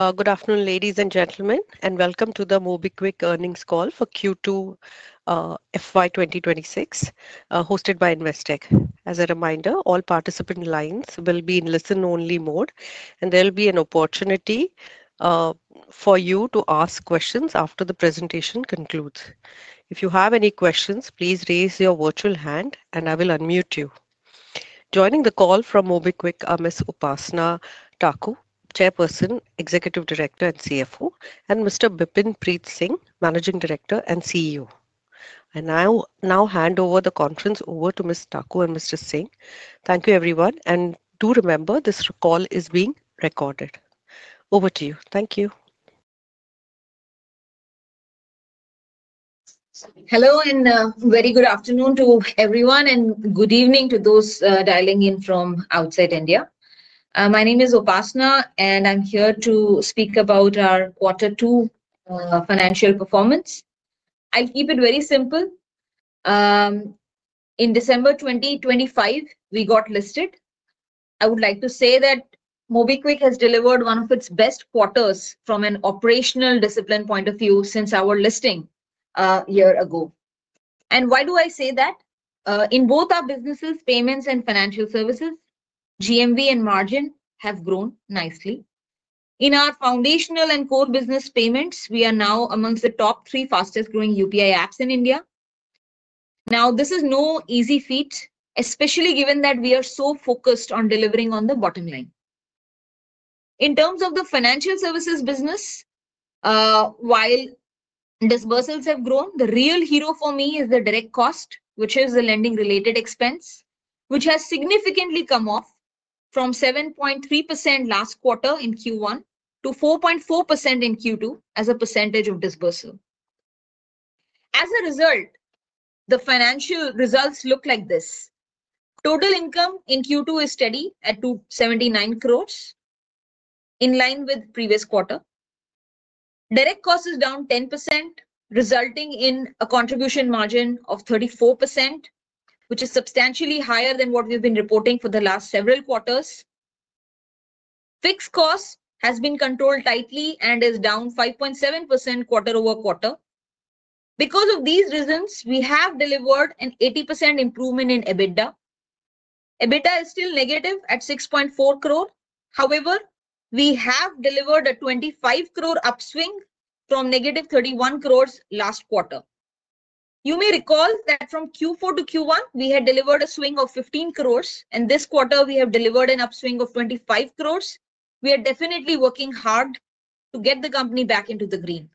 Good afternoon, ladies and gentlemen, and welcome to the MobiKwik earnings call for Q2 FY 2026, hosted by Investech. As a reminder, all participant lines will be in listen-only mode, and there will be an opportunity for you to ask questions after the presentation concludes. If you have any questions, please raise your virtual hand, and I will unmute you. Joining the call from MobiKwik are Ms. Upasana Taku, Chairperson, Executive Director, and CFO, and Mr. Bipin Preet Singh, Managing Director and CEO. I now hand over the conference over to Ms. Taku and Mr. Singh. Thank you, everyone. Do remember, this call is being recorded. Over to you. Thank you. Hello and very good afternoon to everyone, and good evening to those dialing in from outside India. My name is Upasana, and I'm here to speak about our Q2 financial performance. I'll keep it very simple. In December 2025, we got listed. I would like to say that MobiKwik has delivered one of its best quarters from an operational discipline point of view since our listing a year ago. And why do I say that? In both our businesses, payments and financial services, GMV and margin have grown nicely. In our foundational and core business payments, we are now amongst the top three fastest-growing UPI apps in India. Now, this is no easy feat, especially given that we are so focused on delivering on the bottom line. In terms of the financial services business, while disbursals have grown, the real hero for me is the direct cost, which is the lending-related expense, which has significantly come off from 7.3% last quarter in Q1 to 4.4% in Q2 as a percentage of disbursal. As a result, the financial results look like this. Total income in Q2 is steady at 79 crore, in line with the previous quarter. Direct cost is down 10%, resulting in a contribution margin of 34%, which is substantially higher than what we've been reporting for the last several quarters. Fixed cost has been controlled tightly and is down 5.7% quarter-over-quarter. Because of these reasons, we have delivered an 80% improvement in EBITDA. EBITDA is still negative at 6.4 crore. However, we have delivered a 25 crore upswing from negative 31 crore last quarter. You may recall that from Q4 to Q1, we had delivered a swing of 15 crore, and this quarter we have delivered an upswing of 25 crore. We are definitely working hard to get the company back into the green.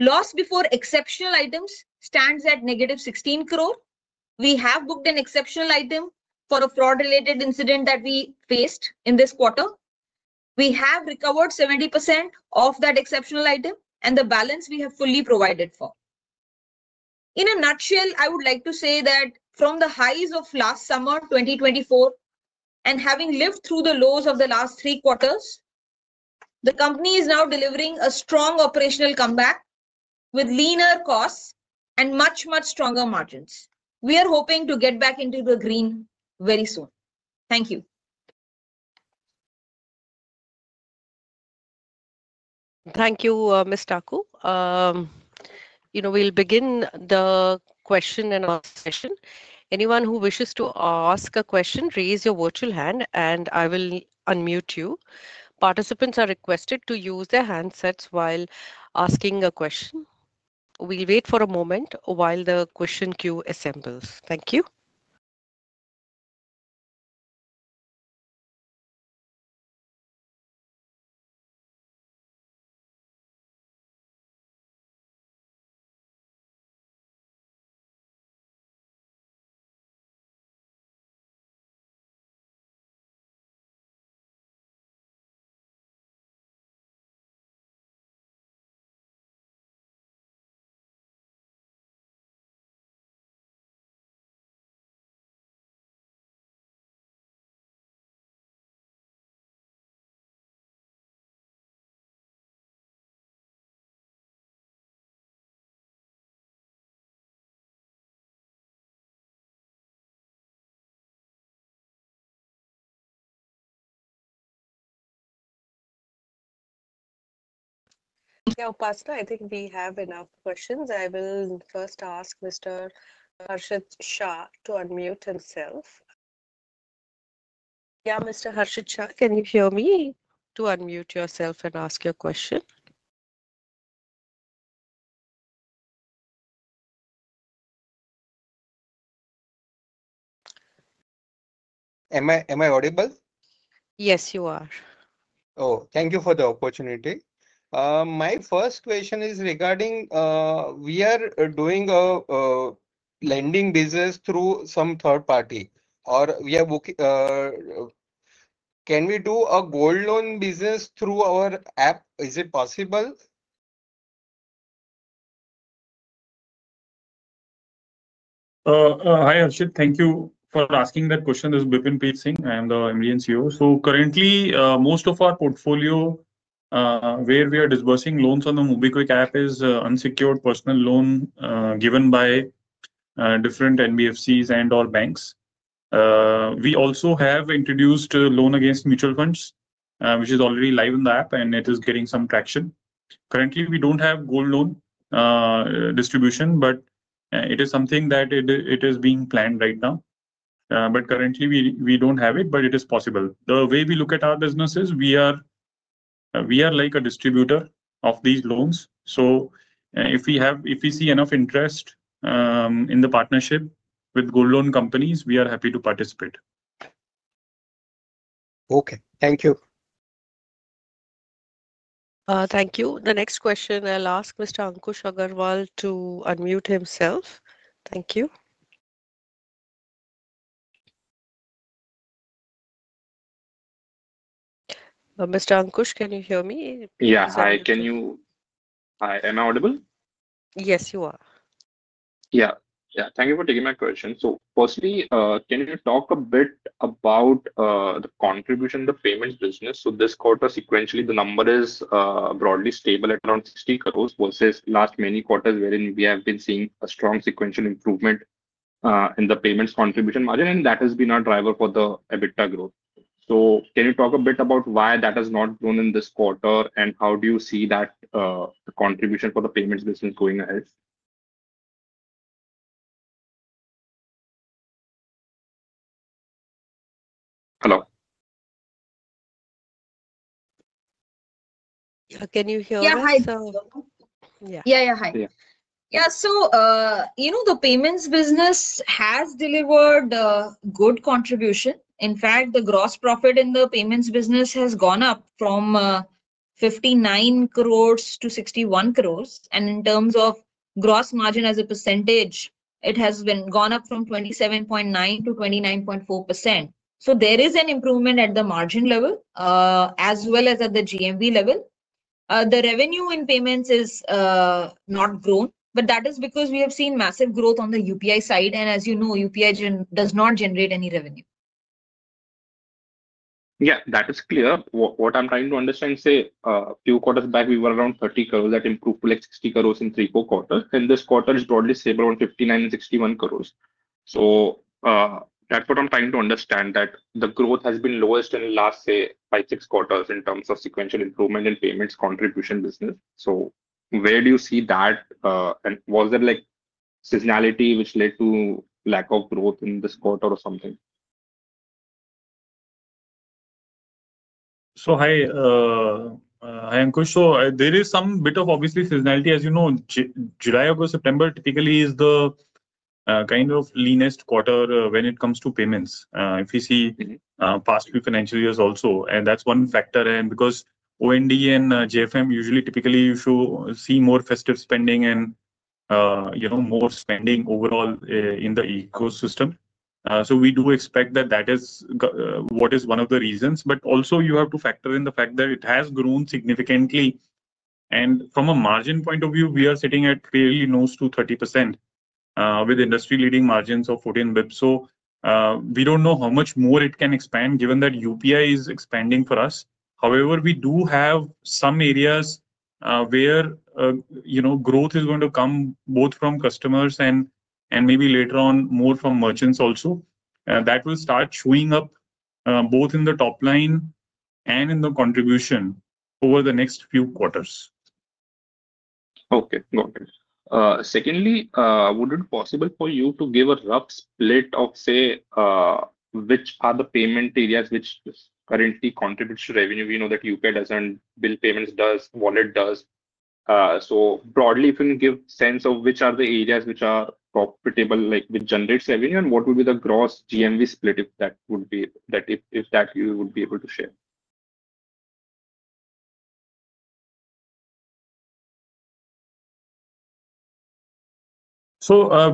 Loss before exceptional items stands at negative 16 crore. We have booked an exceptional item for a fraud-related incident that we faced in this quarter. We have recovered 70% of that exceptional item, and the balance we have fully provided for. In a nutshell, I would like to say that from the highs of last summer, 2024, and having lived through the lows of the last three quarters, the company is now delivering a strong operational comeback with leaner costs and much, much stronger margins. We are hoping to get back into the green very soon. Thank you. Thank you, Ms. Taku. We'll begin the question-and-answer session. Anyone who wishes to ask a question, raise your virtual hand, and I will unmute you. Participants are requested to use their handsets while asking a question. We'll wait for a moment while the question queue assembles. Thank you. Yeah, Upasana, I think we have enough questions. I will first ask Mr. Harshit Shah to unmute himself. Yeah, Mr. Harshit Shah, can you hear me? To unmute yourself and ask your question. Am I audible? Yes, you are. Oh, thank you for the opportunity. My first question is regarding, we are doing a lending business through some third party, or we are, can we do a gold loan business through our app? Is it possible? Hi, Harshit. Thank you for asking that question. This is Bipin Preet Singh. I am the MobiKwik CEO. Currently, most of our portfolio where we are disbursing loans on the MobiKwik app is unsecured personal loan given by different NBFCs and all banks. We also have introduced loan against mutual funds, which is already live in the app, and it is getting some traction. Currently, we do not have gold loan distribution, but it is something that is being planned right now. Currently, we do not have it, but it is possible. The way we look at our business is we are like a distributor of these loans. If we see enough interest in the partnership with gold loan companies, we are happy to participate. Okay, thank you. Thank you. The next question, I'll ask Mr. Ankush Agarwal to unmute himself. Thank you. Mr. Ankush, can you hear me? Yes, I can. You. Am I audible? Yes, you are. Yeah, yeah. Thank you for taking my question. Firstly, can you talk a bit about the contribution, the payments business? This quarter, sequentially, the number is broadly stable at around 600 crorer versus last many quarters wherein we have been seeing a strong sequential improvement in the payments contribution margin, and that has been our driver for the EBITDA growth. Can you talk a bit about why that has not grown in this quarter, and how do you see that contribution for the payments business going ahead? Hello. Yeah, can you hear us? Yeah, yeah, hi. Yeah, so you know the payments business has delivered a good contribution. In fact, the gross profit in the payments business has gone up from 59 crore to 61 crore. And in terms of gross margin as a percentage, it has gone up from 27.9% to 29.4%. There is an improvement at the margin level as well as at the GMV level. The revenue in payments is not grown, but that is because we have seen massive growth on the UPI side. As you know, UPI does not generate any revenue. Yeah, that is clear. What I'm trying to understand, say, a few quarters back, we were around 30 crore that improved to like 60 crore in three quarters. This quarter is broadly stable on 59-61 crore. That's what I'm trying to understand, that the growth has been lowest in the last, say, five-six quarters in terms of sequential improvement in payments contribution business. Where do you see that? Was there like seasonality which led to lack of growth in this quarter or something? Hi. Hi, Ankush. There is some bit of obviously seasonality. As you know, July or September typically is the kind of leanest quarter when it comes to payments, if you see past few financial years also. That is one factor. Because October-November-December and January-February-March usually typically you should see more festive spending and more spending overall in the ecosystem. We do expect that is one of the reasons. Also, you have to factor in the fact that it has grown significantly. From a margin point of view, we are sitting at clearly close to 30% with industry-leading margins of 14 basis points. We do not know how much more it can expand given that UPI is expanding for us. However, we do have some areas where growth is going to come both from customers and maybe later on more from merchants also. That will start showing up both in the top line and in the contribution over the next few quarters. Okay, got it. Secondly, would it be possible for you to give a rough split of, say, which are the payment areas which currently contribute to revenue? We know that UPI doesn't, bill payments does, wallet does. So broadly, if you can give a sense of which are the areas which are profitable, like which generates revenue, and what would be the gross GMV split if that would be, if that you would be able to share?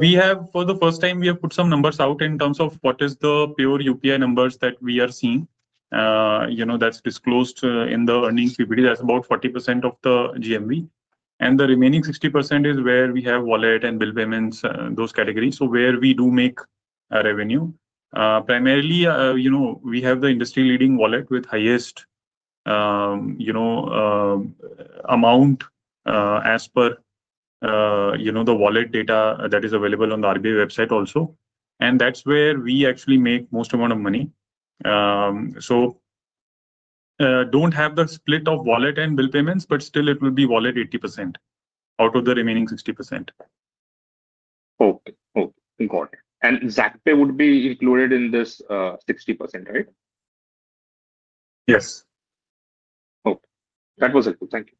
We have, for the first time, put some numbers out in terms of what is the pure UPI numbers that we are seeing. That is disclosed in the earnings PPD. That is about 40% of the GMV. The remaining 60% is where we have wallet and bill payments, those categories, where we do make revenue. Primarily, we have the industry-leading wallet with highest amount, as per the wallet data that is available on the RBI website also. That is where we actually make most amount of money. We do not have the split of wallet and bill payments, but still it will be wallet 80% out of the remaining 60%. Okay, okay. Got it. And Zaakpay would be included in this 60%, right? Yes. Okay. That was helpful. Thank you.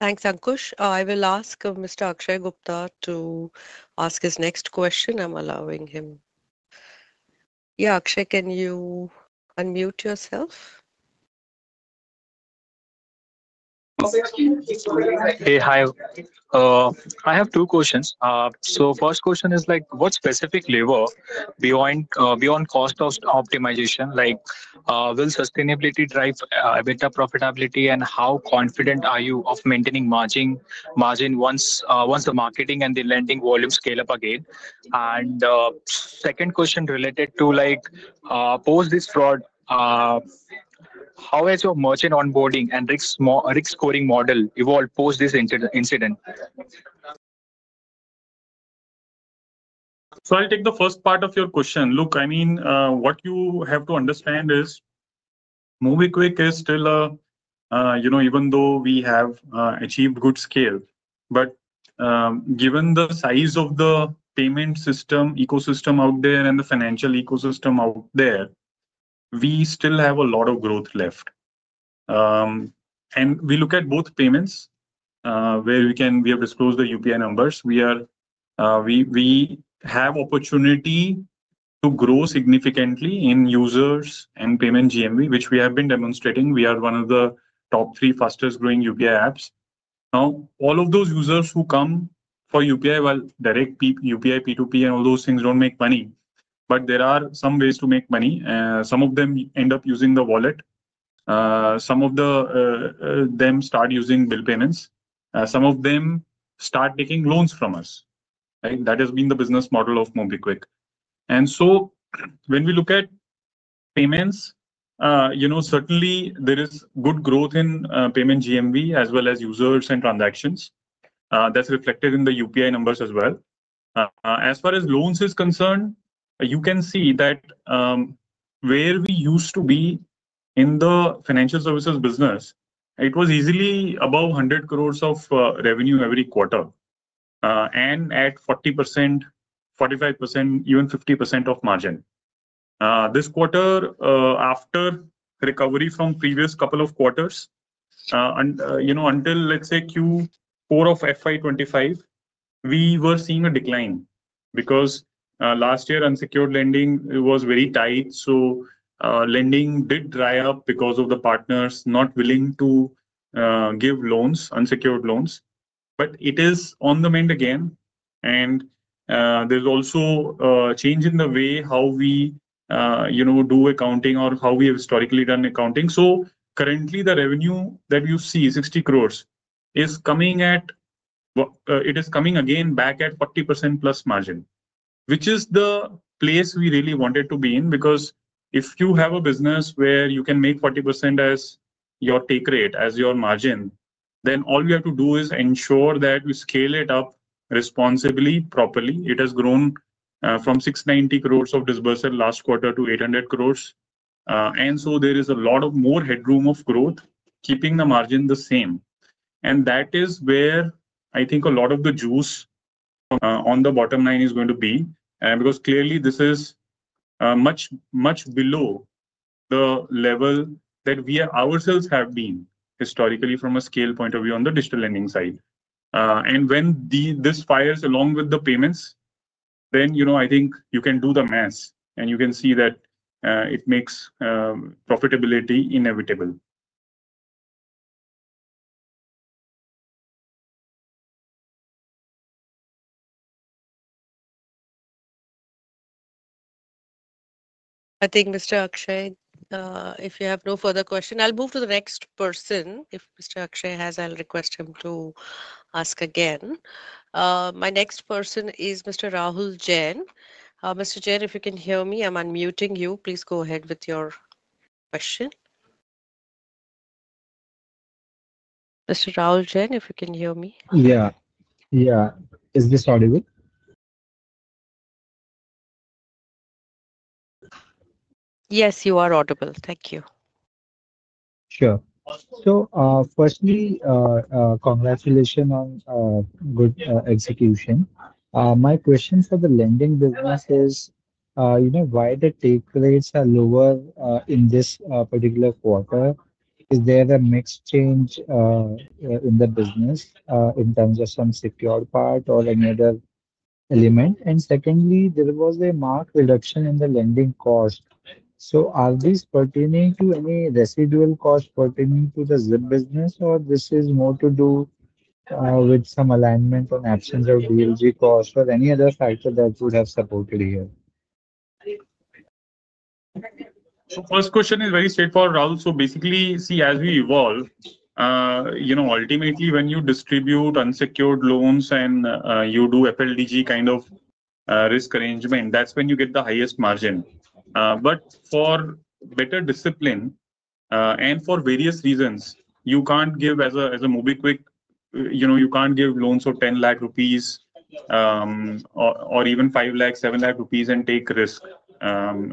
Thanks, Ankush. I will ask Mr. Akshay Gupta to ask his next question. I'm allowing him. Yeah, Akshay, can you unmute yourself? Hey, hi. I have two questions. First question is like, what specific lever beyond cost of optimization, like will sustainability drive EBITDA profitability, and how confident are you of maintaining margin once the marketing and the lending volume scale up again? Second question related to post this fraud, how has your merchant onboarding and risk scoring model evolved post this incident? I'll take the first part of your question. Look, I mean, what you have to understand is MobiKwik is still a, even though we have achieved good scale. Given the size of the payment system ecosystem out there and the financial ecosystem out there, we still have a lot of growth left. We look at both payments. We have disclosed the UPI numbers. We have opportunity to grow significantly in users and payment GMV, which we have been demonstrating. We are one of the top three fastest-growing UPI apps. Now, all of those users who come for UPI, well, direct UPI, P2P, and all those things do not make money. There are some ways to make money. Some of them end up using the wallet. Some of them start using bill payments. Some of them start taking loans from us. That has been the business model of MobiKwik. When we look at payments, certainly there is good growth in payment GMV as well as users and transactions. That is reflected in the UPI numbers as well. As far as loans are concerned, you can see that where we used to be in the financial services business, it was easily above 100 crore of revenue every quarter. At 40%-45%, even 50% of margin. This quarter, after recovery from previous couple of quarters. Until, let's say, Q4 of FY2025, we were seeing a decline because last year unsecured lending was very tight. Lending did dry up because of the partners not willing to give loans, unsecured loans. It is on the mend again. There is also a change in the way how we do accounting or how we have historically done accounting. Currently, the revenue that you see, 60 crore, is coming again back at 40% plus margin, which is the place we really wanted to be in. Because if you have a business where you can make 40% as your take rate, as your margin, then all we have to do is ensure that we scale it up responsibly, properly. It has grown from 690 crore of disbursal last quarter to 800 crore. There is a lot more headroom of growth, keeping the margin the same. That is where I think a lot of the juice on the bottom line is going to be. Because clearly this is much, much below the level that we ourselves have been historically from a scale point of view on the digital lending side. When this fires along with the payments, then I think you can do the math and you can see that it makes profitability inevitable. I think, Mr. Akshay, if you have no further question, I'll move to the next person. If Mr. Akshay has, I'll request him to ask again. My next person is Mr. Rahul Jain. Mr. Jain, if you can hear me, I'm unmuting you. Please go ahead with your question. Mr. Rahul Jain, if you can hear me. Yeah, yeah. Is this audible? Yes, you are audible. Thank you. Sure. Firstly, congratulations on good execution. My question for the lending business is, why are the take rates lower in this particular quarter? Is there a mix change in the business in terms of some secured part or any other element? Secondly, there was a marked reduction in the lending cost. Are these pertaining to any residual cost pertaining to the ZIP business, or is this more to do with some alignment on absence of FLDG cost or any other factor that would have supported here? First question is very straightforward, Rahul. Basically, see, as we evolve. Ultimately, when you distribute unsecured loans and you do FLDG kind of risk arrangement, that's when you get the highest margin. For better discipline and for various reasons, you can't give as a MobiKwik, you can't give loans of 10 lakhs of rupees or even 5 lakhs, 7 lakhs of rupees and take risk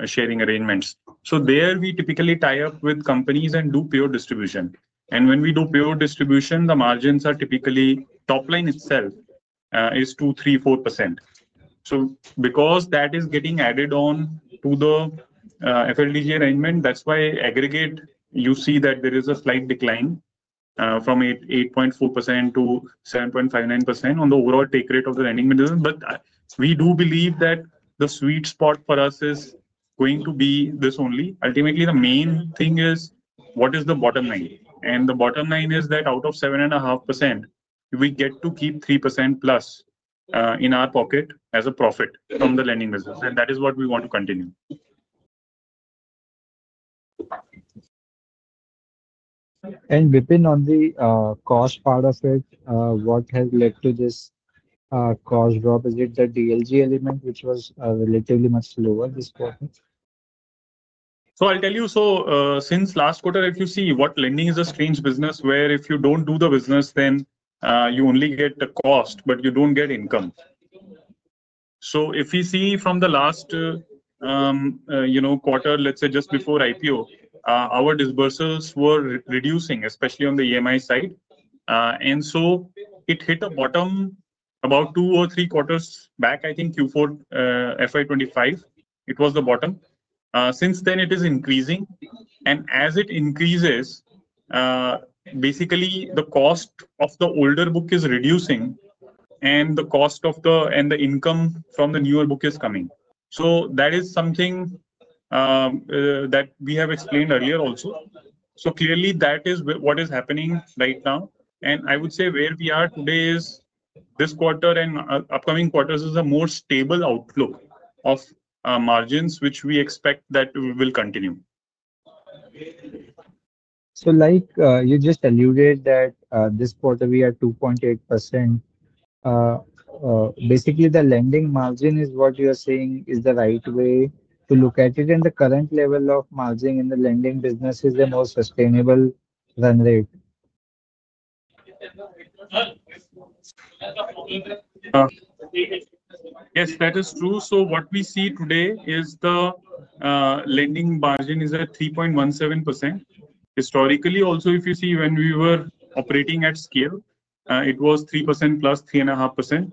sharing arrangements. There we typically tie up with companies and do pure distribution. When we do pure distribution, the margins are typically top line itself is 2%-4%. Because that is getting added on to the FLDG arrangement, that's why aggregate you see that there is a slight decline from 8.4% to 7.59% on the overall take rate of the lending business. We do believe that the sweet spot for us is going to be this only. Ultimately, the main thing is what is the bottom line? The bottom line is that out of 7.5%, we get to keep 3% plus in our pocket as a profit from the lending business. That is what we want to continue. Within on the cost part of it, what has led to this cost drop? Is it the FLDG element which was relatively much lower this quarter? I'll tell you, since last quarter, if you see what lending is, it's a strange business where if you don't do the business, then you only get the cost, but you don't get income. If we see from the last quarter, let's say just before IPO, our disbursals were reducing, especially on the EMI side. It hit a bottom about two or three quarters back, I think Q4 FY2025, it was the bottom. Since then, it is increasing. As it increases, basically, the cost of the older book is reducing and the income from the newer book is coming. That is something that we have explained earlier also. Clearly, that is what is happening right now. I would say where we are today is this quarter and upcoming quarters is a more stable outlook of margins, which we expect that we will continue. Like you just alluded, this quarter we are at 2.8%. Basically, the lending margin is what you are saying is the right way to look at it. The current level of margin in the lending business is the most sustainable run rate. Yes, that is true. What we see today is the lending margin is at 3.17%. Historically, also if you see when we were operating at scale, it was 3%-3.5%.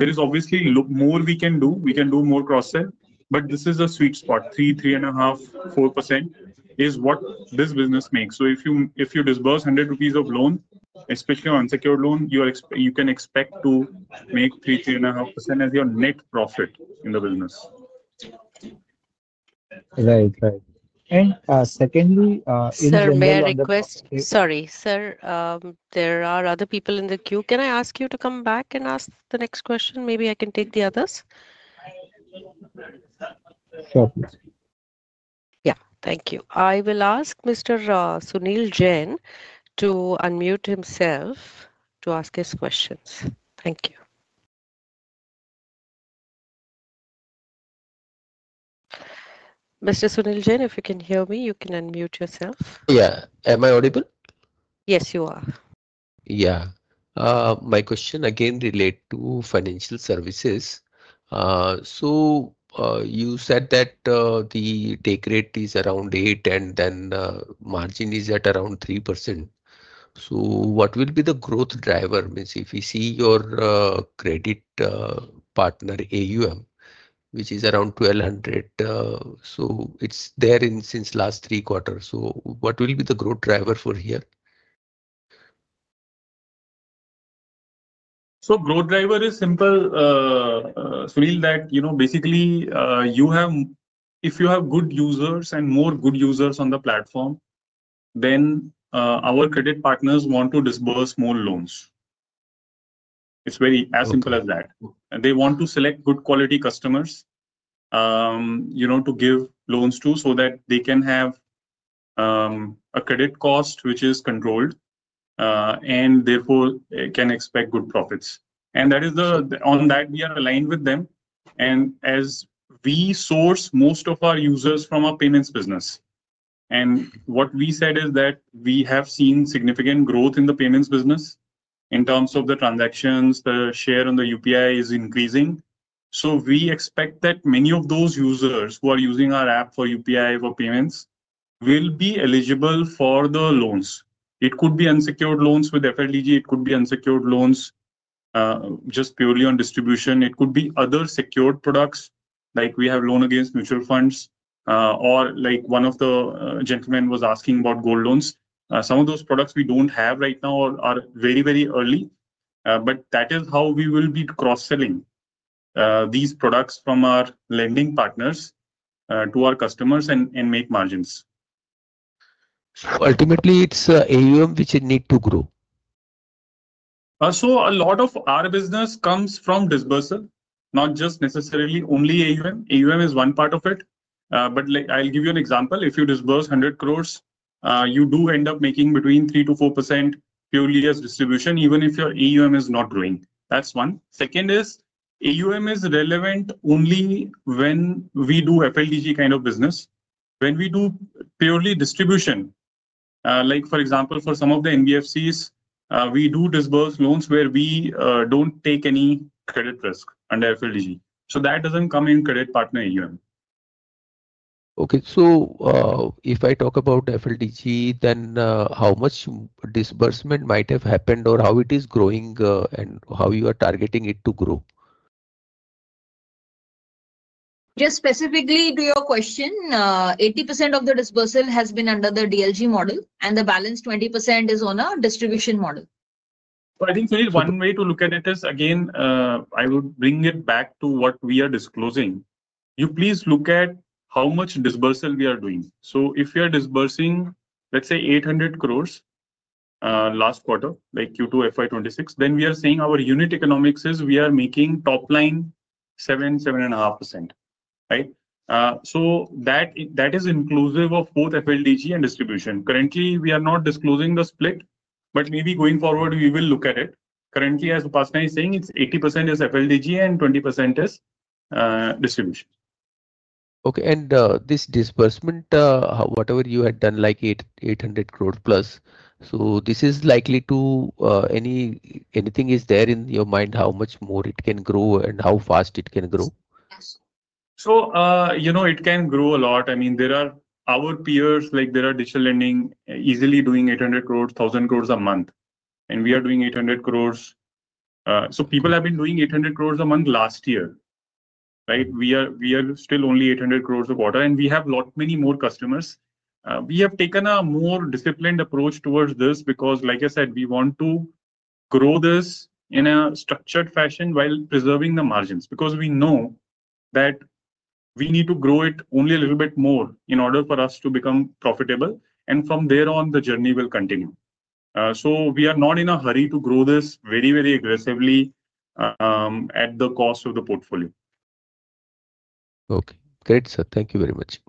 There is obviously more we can do. We can do more cross-sell. This is a sweet spot. 3%, 3.5%, 4% is what this business makes. If you disburse 100 rupees of loan, especially on unsecured loan, you can expect to make 3%, 3.5% as your net profit in the business. Right, right. And secondly. Sir, may I request? Sorry, sir. There are other people in the queue. Can I ask you to come back and ask the next question? Maybe I can take the others. Sure. Yeah, thank you. I will ask Mr. Sunil Jain to unmute himself to ask his questions. Thank you. Mr. Sunil Jain, if you can hear me, you can unmute yourself. Yeah. Am I audible? Yes, you are. Yeah. My question again relates to financial services. You said that the take rate is around 8% and then margin is at around 3%. What will be the growth driver? If we see your credit partner AUM, which is around 1,200 crore, it is there since the last three quarters. What will be the growth driver for here? Growth driver is simple. Sunil, that basically you have, if you have good users and more good users on the platform. Then our credit partners want to disburse more loans. It is very as simple as that. They want to select good quality customers to give loans to so that they can have a credit cost which is controlled and therefore can expect good profits. That is the on that we are aligned with them. As we source most of our users from our payments business, what we said is that we have seen significant growth in the payments business in terms of the transactions. The share on the UPI is increasing. We expect that many of those users who are using our app for UPI for payments will be eligible for the loans. It could be unsecured loans with FLDG. It could be unsecured loans just purely on distribution. It could be other secured products like we have loan against mutual funds or like one of the gentlemen was asking about gold loans. Some of those products we do not have right now or are very, very early. That is how we will be cross-selling these products from our lending partners to our customers and make margins. Ultimately, it's AUM which need to grow. A lot of our business comes from disbursal, not just necessarily only AUM. AUM is one part of it. I'll give you an example. If you disburse 100 crore, you do end up making between 3%-4% purely as distribution, even if your AUM is not growing. That's one. Second is AUM is relevant only when we do FLDG kind of business. When we do purely distribution. Like for example, for some of the NBFCs, we do disburse loans where we don't take any credit risk under FLDG. That doesn't come in credit partner AUM. Okay. So if I talk about FLDG, then how much disbursement might have happened or how it is growing and how you are targeting it to grow? Just specifically to your question, 80% of the disbursal has been under the DLG model and the balance 20% is on a distribution model. I think one way to look at it is again, I would bring it back to what we are disclosing. You please look at how much disbursal we are doing. If we are disbursing, let's say 800 crore last quarter, like Q2 FY2026, then we are saying our unit economics is we are making top line 7%-7.5%. Right? That is inclusive of both FLDG and distribution. Currently, we are not disclosing the split, but maybe going forward we will look at it. Currently, as Upasana is saying, it's 80% is FLDG and 20% is distribution. Okay. This disbursement, whatever you had done like 800 crore plus, is there anything in your mind how much more it can grow and how fast it can grow? It can grow a lot. I mean, there are our peers, like there are digital lending easily doing 800 crore, 1,000 crore a month. And we are doing 800 crore. People have been doing 800 crore a month last year, right? We are still only 800 crore a quarter. We have many more customers. We have taken a more disciplined approach towards this because, like I said, we want to grow this in a structured fashion while preserving the margins because we know that we need to grow it only a little bit more in order for us to become profitable. From there on, the journey will continue. We are not in a hurry to grow this very, very aggressively at the cost of the portfolio. Okay. Great, sir. Thank you very much.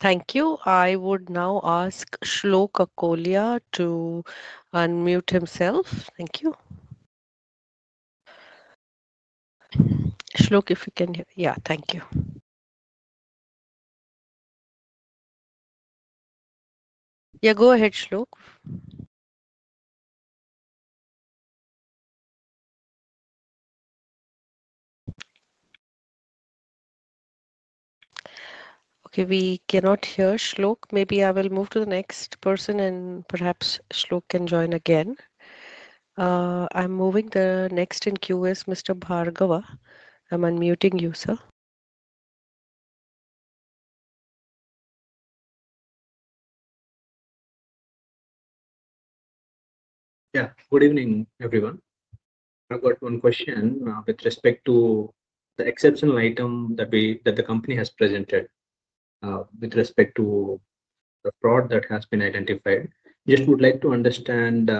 Thank you. I would now ask Shlok Kakolya to unmute himself. Thank you. Shlok, if you can hear. Yeah, thank you. Yeah, go ahead, Shlok. Okay, we cannot hear Shlok. Maybe I will move to the next person and perhaps Shlok can join again. I'm moving, the next in queue is Mr. Bhargava. I'm unmuting you, sir. Yeah. Good evening, everyone. I've got one question with respect to the exceptional item that the company has presented. With respect to the fraud that has been identified. Just would like to understand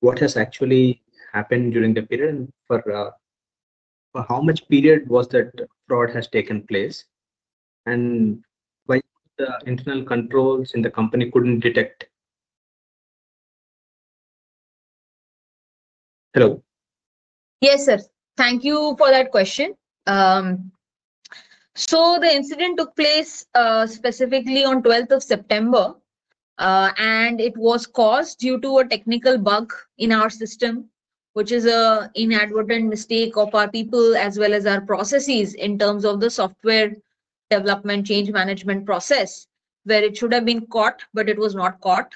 what has actually happened during the period and for how much period was that fraud has taken place. And why the internal controls in the company couldn't detect. Hello? Yes, sir. Thank you for that question. The incident took place specifically on 12th of September. It was caused due to a technical bug in our system, which is an inadvertent mistake of our people as well as our processes in terms of the software development change management process, where it should have been caught, but it was not caught.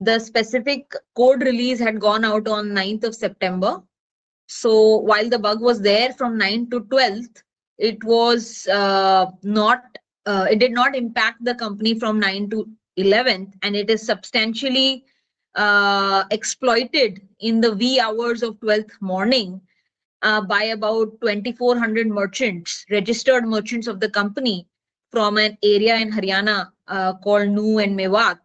The specific code release had gone out on 9th of September. While the bug was there from 9th to 12th, it did not impact the company from 9th to 11th, and it is substantially exploited in the wee hours of 12th morning by about 2,400 merchants, registered merchants of the company from an area in Haryana called Nuh and Mewat.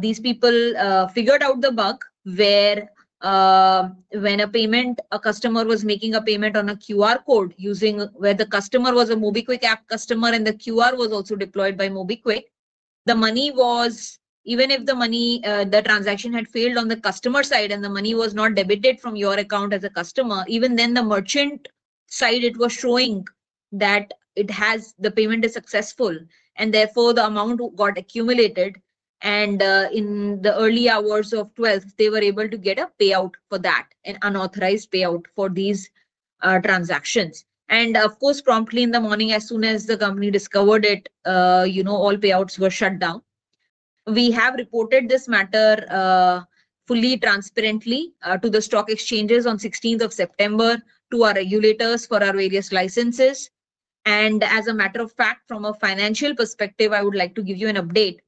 These people figured out the bug where, when a customer was making a payment on a QR code using where the customer was a MobiKwik app customer and the QR was also deployed by MobiKwik, even if the transaction had failed on the customer side and the money was not debited from your account as a customer, even then on the merchant side, it was showing that the payment is successful. Therefore, the amount got accumulated. In the early hours of 12th, they were able to get a payout for that, an unauthorized payout for these transactions. Of course, promptly in the morning, as soon as the company discovered it, all payouts were shut down. We have reported this matter fully transparently to the stock exchanges on 16th of September to our regulators for our various licenses. As a matter of fact, from a financial perspective, I would like to give you an update.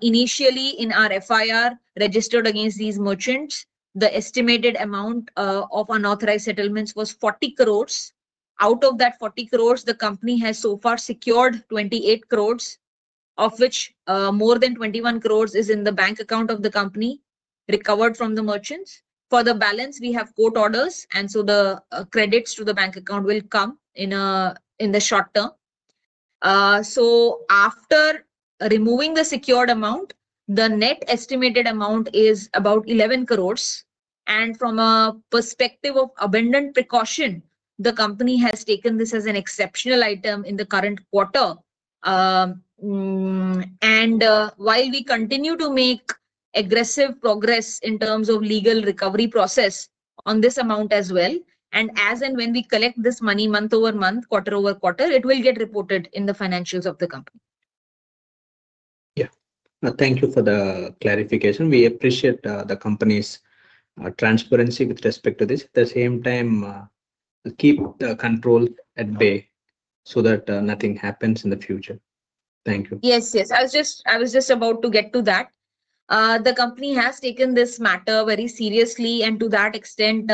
Initially, in our FIR registered against these merchants, the estimated amount of unauthorized settlements was 40 crore. Out of that 40 crore, the company has so far secured 28 crore, of which more than 21 crore is in the bank account of the company recovered from the merchants. For the balance, we have court orders, and the credits to the bank account will come in the short term. After removing the secured amount, the net estimated amount is about 11 crore. From a perspective of abundant precaution, the company has taken this as an exceptional item in the current quarter. While we continue to make aggressive progress in terms of legal recovery process on this amount as well, as and when we collect this money month over month, quarter over quarter, it will get reported in the financials of the company. Yeah. Thank you for the clarification. We appreciate the company's transparency with respect to this. At the same time, keep the control at bay so that nothing happens in the future. Thank you. Yes, yes. I was just about to get to that. The company has taken this matter very seriously, and to that extent,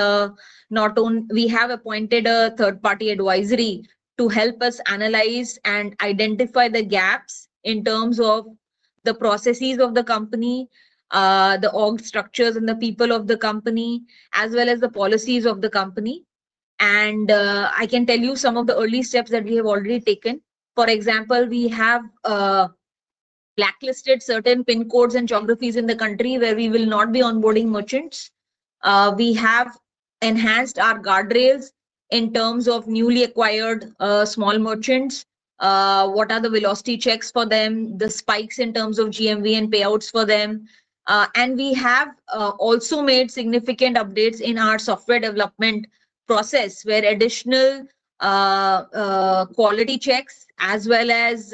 we have appointed a third-party advisory to help us analyze and identify the gaps in terms of the processes of the company, the org structures and the people of the company, as well as the policies of the company. I can tell you some of the early steps that we have already taken. For example, we have blacklisted certain PIN codes and geographies in the country where we will not be onboarding merchants. We have enhanced our guardrails in terms of newly acquired small merchants, what are the velocity checks for them, the spikes in terms of GMV and payouts for them. We have also made significant updates in our software development process where additional quality checks as well as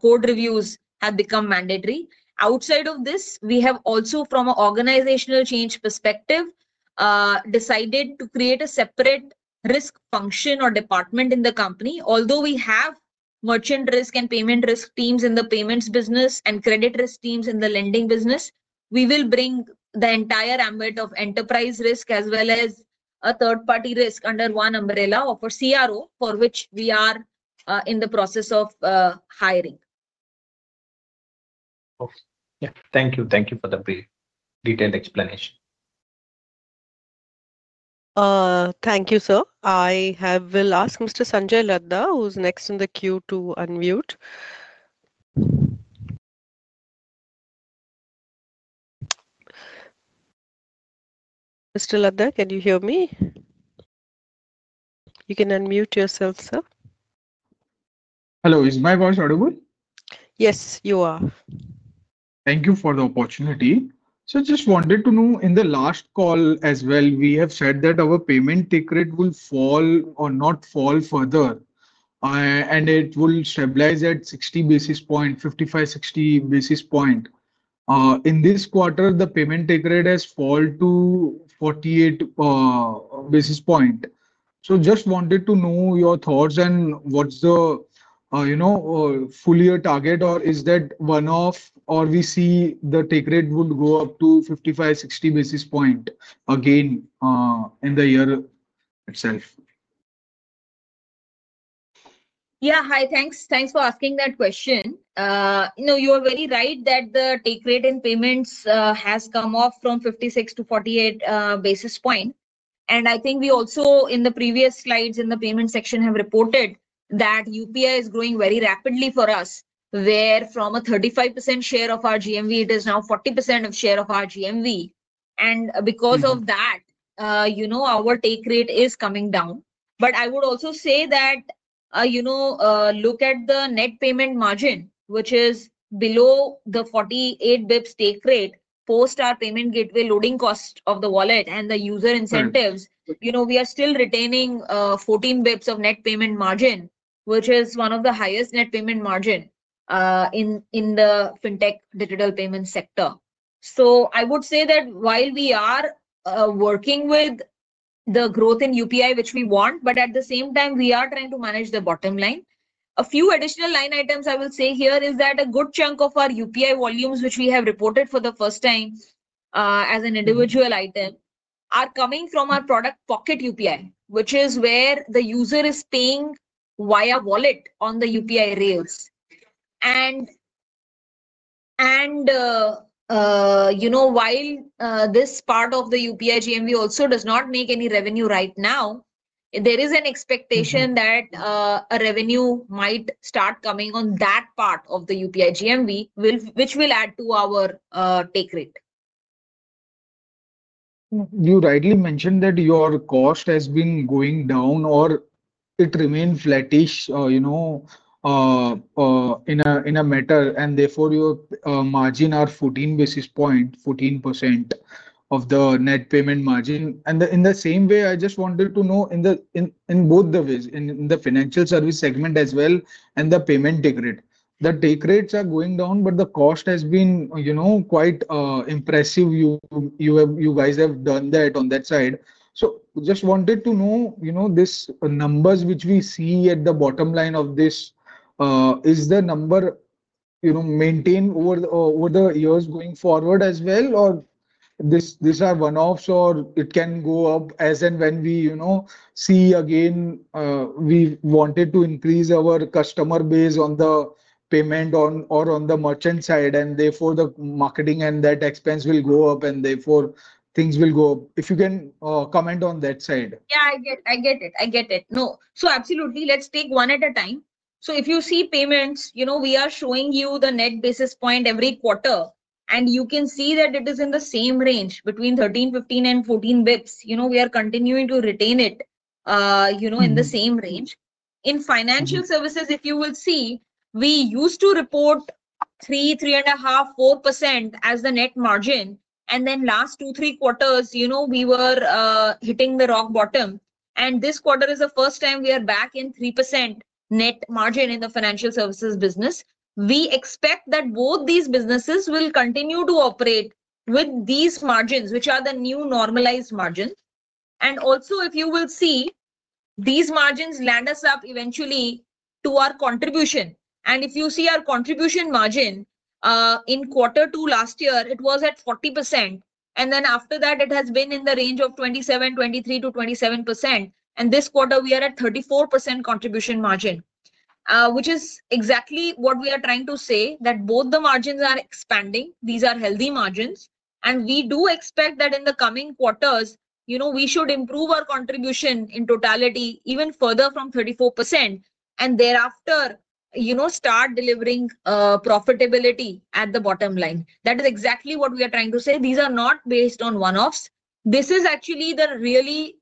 code reviews have become mandatory. Outside of this, we have also, from an organizational change perspective, decided to create a separate risk function or department in the company. Although we have merchant risk and payment risk teams in the payments business and credit risk teams in the lending business, we will bring the entire ambit of enterprise risk as well as a third-party risk under one umbrella of a CRO for which we are in the process of hiring. Okay. Yeah. Thank you. Thank you for the detailed explanation. Thank you, sir. I will ask Mr. Sanjay Laddha, who's next in the queue to unmute. Mr. Laddha, can you hear me? You can unmute yourself, sir. Hello. Is my voice audible? Yes, you are. Thank you for the opportunity. I just wanted to know, in the last call as well, we have said that our payment decreed will fall or not fall further. It will stabilize at 60 basis points, 55-60 basis points. In this quarter, the payment decreed has fallen to 48 basis points. I just wanted to know your thoughts and what is the fully target or is that one-off, or do we see the decreed will go up to 55-60 basis points again in the year itself? Yeah. Hi, thanks. Thanks for asking that question. You are very right that the decreed in payments has come off from 56 to 48 basis points. I think we also, in the previous slides in the payment section, have reported that UPI is growing very rapidly for us, where from a 35% share of our GMV, it is now 40% share of our GMV. Because of that, our decreed is coming down. I would also say that, look at the net payment margin, which is below the 48 basis points decreed post our payment gateway loading cost of the wallet and the user incentives. We are still retaining 14 basis points of net payment margin, which is one of the highest net payment margin in the fintech digital payment sector. I would say that while we are working with the growth in UPI, which we want, at the same time, we are trying to manage the bottom line. A few additional line items I will say here is that a good chunk of our UPI volumes, which we have reported for the first time as an individual item, are coming from our product Pocket UPI, which is where the user is paying via wallet on the UPI rails. While this part of the UPI GMV also does not make any revenue right now, there is an expectation that a revenue might start coming on that part of the UPI GMV, which will add to our decreed. You rightly mentioned that your cost has been going down or it remained flattish. In a matter, and therefore your margin are 14 basis points, 14% of the net payment margin. In the same way, I just wanted to know in both the ways, in the financial service segment as well and the payment decreed. The decreeds are going down, but the cost has been quite impressive. You guys have done that on that side. Just wanted to know, these numbers, which we see at the bottom line of this, is the number maintained over the years going forward as well, or these are one-offs or it can go up as and when we see again. We wanted to increase our customer base on the payment or on the merchant side, and therefore the marketing and that expense will go up, and therefore things will go up. If you can comment on that side. Yeah, I get it. I get it. No. So absolutely, let's take one at a time. If you see payments, we are showing you the net basis point every quarter, and you can see that it is in the same range between 13, 15, and 14 basis points. We are continuing to retain it in the same range. In financial services, if you will see, we used to report 3%, 3.5%, 4% as the net margin, and then last two, three quarters, we were hitting the rock bottom. This quarter is the first time we are back in 3% net margin in the financial services business. We expect that both these businesses will continue to operate with these margins, which are the new normalized margins. Also, if you will see, these margins led us up eventually to our contribution. If you see our contribution margin, in quarter two last year, it was at 40%. After that, it has been in the range of 23%-27%. This quarter, we are at 34% contribution margin, which is exactly what we are trying to say, that both the margins are expanding. These are healthy margins. We do expect that in the coming quarters, we should improve our contribution in totality even further from 34%, and thereafter start delivering profitability at the bottom line. That is exactly what we are trying to say. These are not based on one-offs. This is actually the really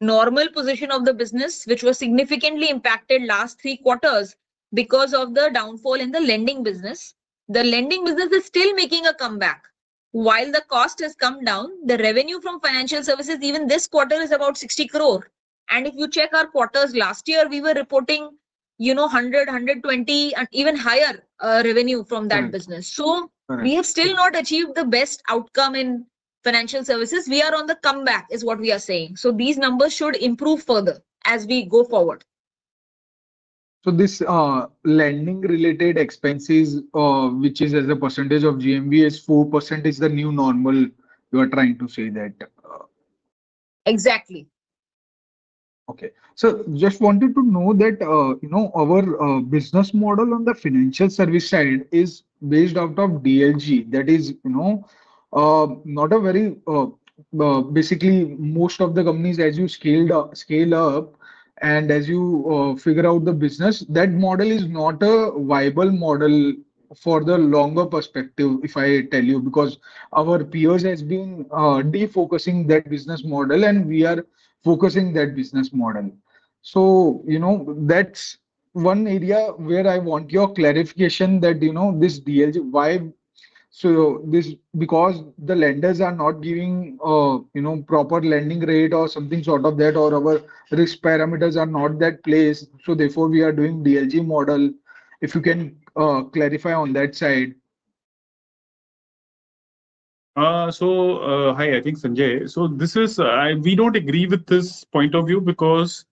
normal position of the business, which was significantly impacted last three quarters because of the downfall in the lending business. The lending business is still making a comeback. While the cost has come down, the revenue from financial services, even this quarter, is about 60 crore. If you check our quarters last year, we were reporting 100 crore, 120 crore, and even higher revenue from that business. We have still not achieved the best outcome in financial services. We are on the comeback is what we are saying. These numbers should improve further as we go forward. This lending-related expenses, which is as a percentage of GMV, is 4%? Is the new normal you are trying to say that. Exactly. Okay. So just wanted to know that. Our business model on the financial service side is based out of DLG. That is. Not a very. Basically, most of the companies, as you scale up and as you figure out the business, that model is not a viable model for the longer perspective, if I tell you, because our peers have been defocusing that business model, and we are focusing that business model. That's one area where I want your clarification that this DLG, why. Because the lenders are not giving. Proper lending rate or something sort of that, or our risk parameters are not that place. So therefore, we are doing DLG model. If you can clarify on that side. Hi, I think Sanjay. We do not agree with this point of view because.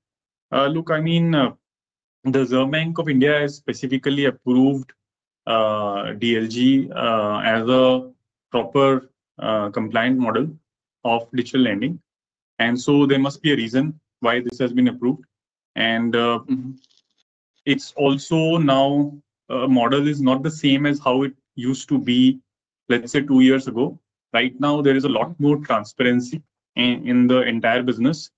Look, I mean. The Reserve Bank of India has specifically approved. DLG as a proper compliant model of digital lending. There must be a reason why this has been approved. It's also now. The model is not the same as how it used to be, let's say, two years ago. Right now, there is a lot more transparency in the entire business.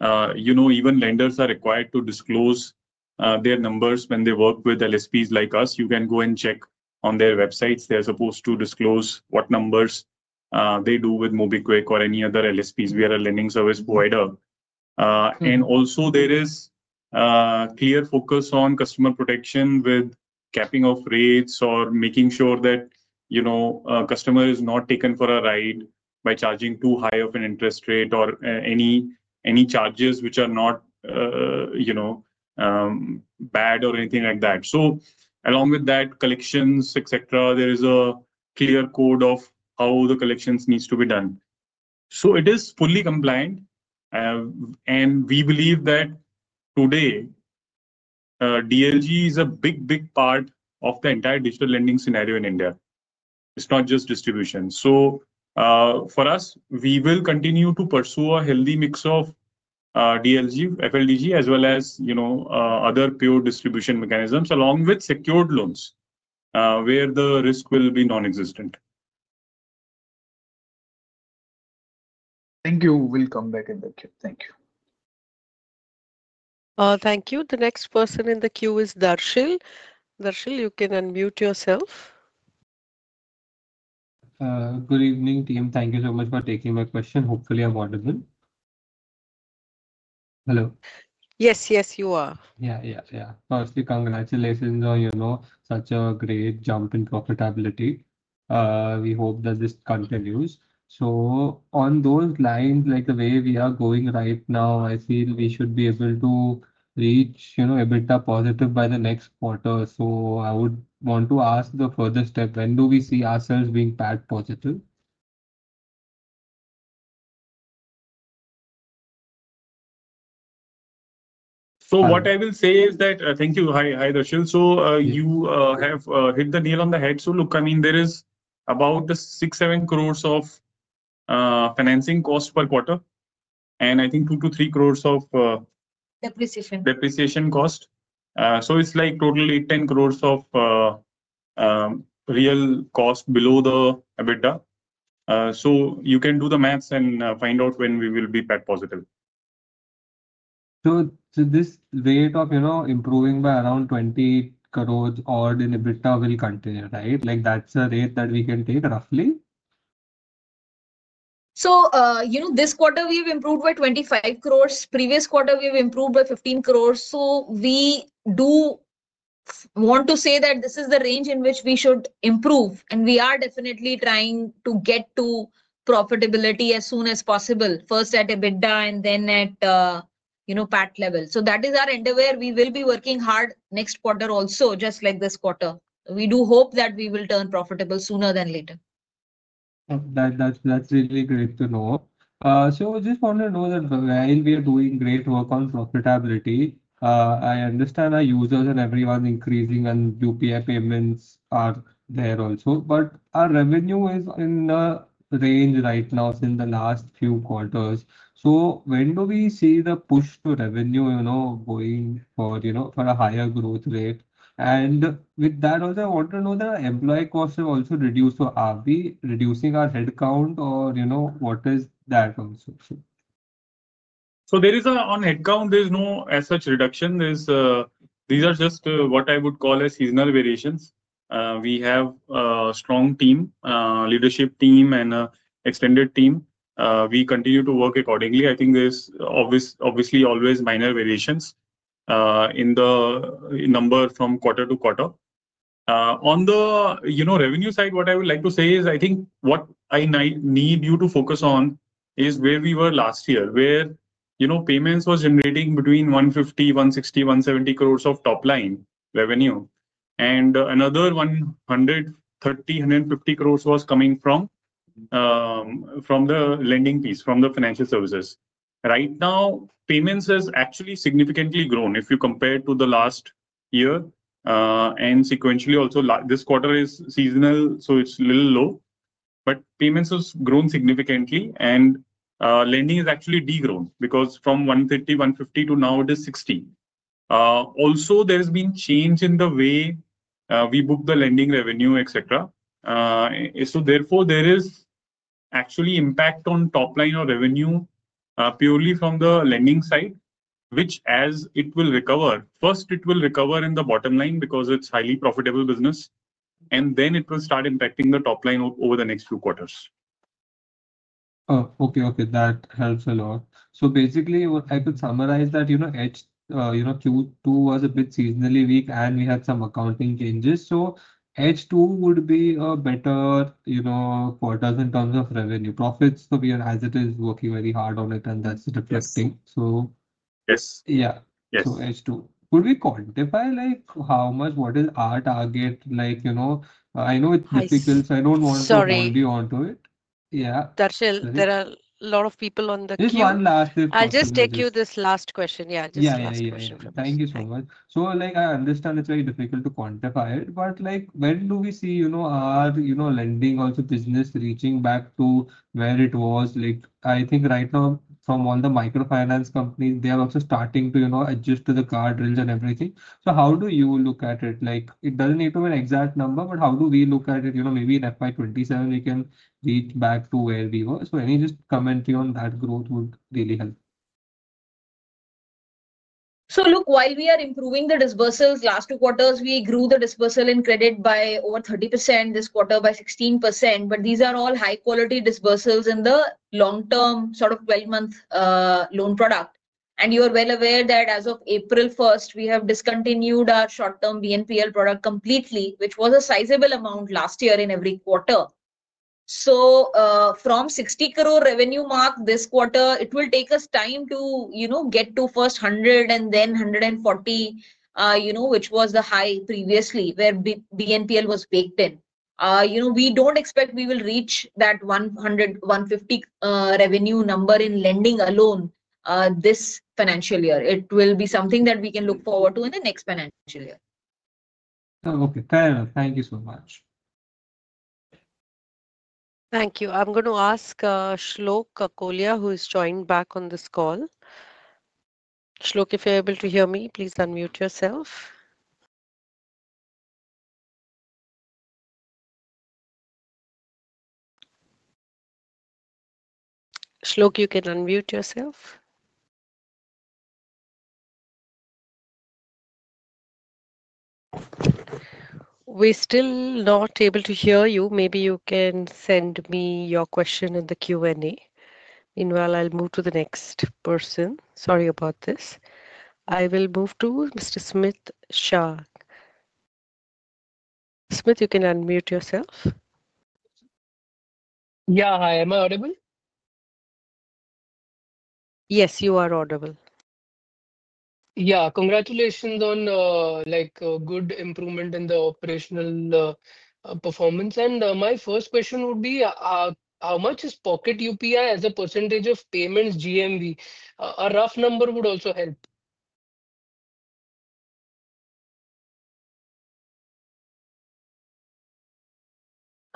Even lenders are required to disclose their numbers when they work with LSPs like us. You can go and check on their websites. They are supposed to disclose what numbers they do with MobiKwik or any other LSPs. We are a lending service provider. There is also. Clear focus on customer protection with capping off rates or making sure that. A customer is not taken for a ride by charging too high of an interest rate or any. Charges which are not. Bad or anything like that. Along with that, collections, etc., there is a clear code of how the collections need to be done. It is fully compliant. We believe that today. DLG is a big, big part of the entire digital lending scenario in India. It's not just distribution. For us, we will continue to pursue a healthy mix of DLG, FLDG, as well as, you know, other pure distribution mechanisms along with secured loans. Where the risk will be non-existent. Thank you. We'll come back in the queue. Thank you. Thank you. The next person in the queue is Darshil. Darshil, you can unmute yourself. Good evening, team. Thank you so much for taking my question. Hopefully, I'm audible. Hello. Yes, yes, you are. Yeah, yeah. Firstly, congratulations on such a great jump in profitability. We hope that this continues. Like the way we are going right now, I feel we should be able to reach EBITDA positive by the next quarter. I would want to ask the further step, when do we see ourselves being PAT positive? What I will say is that thank you, hi Darshil. You have hit the nail on the head. Look, I mean, there is about 6-7 crore of financing cost per quarter. I think 2-3 crore of. Depreciation. Depreciation cost. It is like total 8-10 crore of real cost below the EBITDA. You can do the maths and find out when we will be PAT positive. This rate of improving by around 28 crore odd in EBITDA will continue, right? That's a rate that we can take roughly. This quarter, we have improved by 250 crore. Previous quarter, we have improved by 150 crore. We want to say that this is the range in which we should improve. We are definitely trying to get to profitability as soon as possible, first at EBITDA and then at PAT level. That is our endeavor. We will be working hard next quarter also, just like this quarter. We do hope that we will turn profitable sooner than later. That's really great to know. I just want to know that while we are doing great work on profitability, I understand our users and everyone's increasing and UPI payments are there also. Our revenue is in the range right now since the last few quarters. When do we see the push to revenue going for a higher growth rate? With that also, I want to know that our employee costs have also reduced. Are we reducing our headcount or what is that also? There is, on headcount, there is no as such reduction. These are just what I would call as seasonal variations. We have a strong team, leadership team, and an extended team. We continue to work accordingly. I think there is obviously always minor variations in the number from quarter to quarter. On the revenue side, what I would like to say is I think what I need you to focus on is where we were last year, where payments were generating between 150 crore-160 crore-INR 170 crore of top-line revenue, and another 130 crore-150 crore was coming from the lending piece, from the financial services. Right now, payments have actually significantly grown if you compare to last year. Sequentially also, this quarter is seasonal, so it is a little low. Payments have grown significantly, and lending has actually degrown because from 130 crore-150 crore to now, it is 60 crore. Also, there has been change in the way we book the lending revenue, etc. Therefore, there is actually impact on top-line or revenue purely from the lending side, which as it will recover, first it will recover in the bottom line because it is highly profitable business, and then it will start impacting the top-line over the next few quarters. Okay, okay. That helps a lot. So basically, I could summarize that. Q2 was a bit seasonally weak, and we had some accounting changes. H2 would be a better quarter in terms of revenue profits. We are, as it is, working very hard on it, and that's reflecting. Yes. Yeah. H2. Could we quantify how much, what is our target? I know it's difficult, so I don't want to go deep onto it. Yeah. Darshil, there are a lot of people on the queue. Just one last question. I'll just take this last question. Yeah, just last question. Yeah, thank you so much. I understand it's very difficult to quantify it, but when do we see our lending also business reaching back to where it was? I think right now, from all the microfinance companies, they are also starting to adjust to the guardrails and everything. How do you look at it? It doesn't need to be an exact number, but how do we look at it? Maybe in FY2027, we can reach back to where we were. Any just commentary on that growth would really help. Look, while we are improving the disbursals, last two quarters, we grew the disbursal in credit by over 30%, this quarter by 16%. These are all high-quality disbursals in the long-term sort of 12-month loan product. You are well aware that as of April 1, we have discontinued our short-term BNPL product completely, which was a sizable amount last year in every quarter. From 60 crore revenue mark this quarter, it will take us time to get to first 100 and then 140. That was the high previously where BNPL was baked in. We do not expect we will reach that 100-150 revenue number in lending alone this financial year. It will be something that we can look forward to in the next financial year. Okay. Thank you so much. Thank you. I'm going to ask Shlok Kakolia, who has joined back on this call. Shlok, if you're able to hear me, please unmute yourself. Shlok, you can unmute yourself. We're still not able to hear you. Maybe you can send me your question in the Q&A. Meanwhile, I'll move to the next person. Sorry about this. I will move to Mr. Smith Shah. Smith, you can unmute yourself. Yeah, hi. Am I audible? Yes, you are audible. Yeah. Congratulations on good improvement in the operational performance. My first question would be, how much is Pocket UPI as a percentage of payments GMV? A rough number would also help.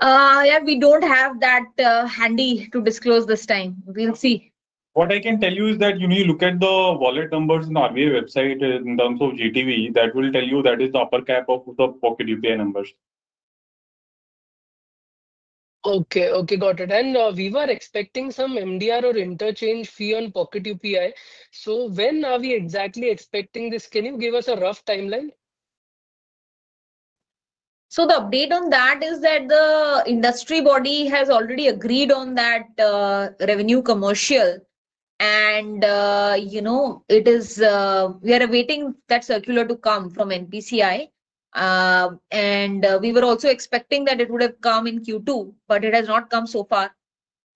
Yeah, we don't have that handy to disclose this time. We'll see. What I can tell you is that you look at the wallet numbers in our website, in terms of GTV, that will tell you that is the upper cap of the Pocket UPI numbers. Okay, okay. Got it. We were expecting some MDR or interchange fee on Pocket UPI. When are we exactly expecting this? Can you give us a rough timeline? The update on that is that the industry body has already agreed on that revenue commercial. We are awaiting that circular to come from NPCI. We were also expecting that it would have come in Q2, but it has not come so far.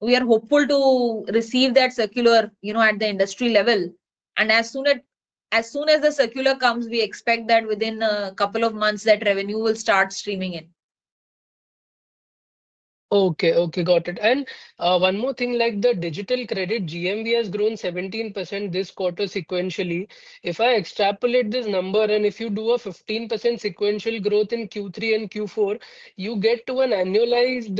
We are hopeful to receive that circular at the industry level. As soon as the circular comes, we expect that within a couple of months, that revenue will start streaming in. Okay, okay. Got it. And one more thing, like the digital credit GMV has grown 17% this quarter sequentially. If I extrapolate this number, and if you do a 15% sequential growth in Q3 and Q4, you get to an annualized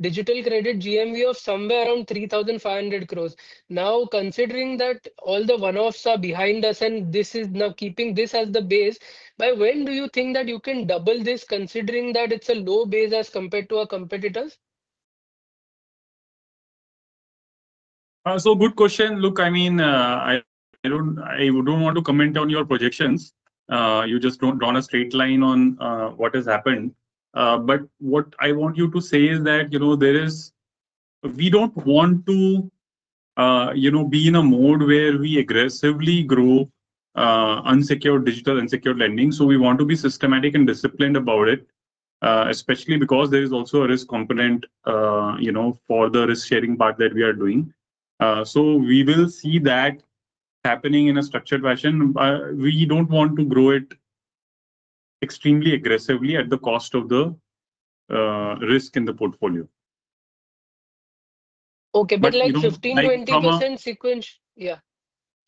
digital credit GMV of somewhere around 3,500 crore. Now, considering that all the one-offs are behind us, and this is now keeping this as the base, by when do you think that you can double this, considering that it's a low base as compared to our competitors? Good question. Look, I mean, I don't want to comment on your projections. You just draw a straight line on what has happened. What I want to say is that we don't want to be in a mode where we aggressively grow digital unsecured lending. We want to be systematic and disciplined about it, especially because there is also a risk component for the risk-sharing part that we are doing. We will see that happening in a structured fashion. We don't want to grow it extremely aggressively at the cost of the risk in the portfolio. Okay, but like 15%-20% sequential. Yeah.